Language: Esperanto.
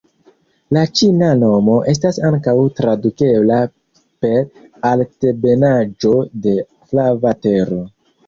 La ĉina nomo estas ankaŭ tradukebla per "Altebenaĵo de Flava Tero".